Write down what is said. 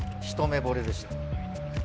一目ぼれでした。